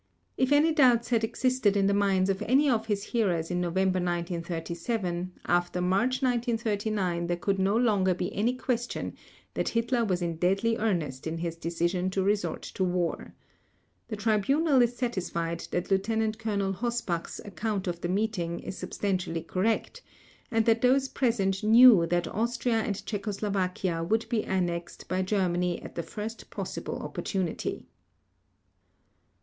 If any doubts had existed in the minds of any of his hearers in November 1937, after March 1939 there could no longer be any question that Hitler was in deadly earnest in his decision to resort to war. The Tribunal is satisfied that Lieutenant Colonel Hossbach's account of the meeting is substantially correct, and that those present knew that Austria and Czechoslovakia would be annexed by Germany at the first possible opportunity.